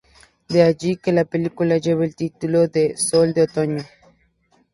De allí que la película lleve el título de "Sol de otoño".